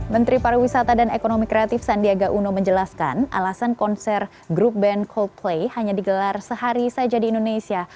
menteri pariwisata dan ekonomi kreatif sandiaga uno menjelaskan alasan konser grup band coldplay hanya digelar sehari saja di indonesia